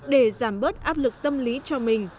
để giảm bớt áp lực tâm lý cho mình